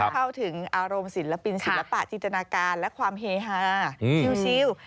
เข้าถึงอารมณ์ศิลปินศิลปะจินตนาการและความเฮฮาชิล